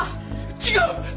違う！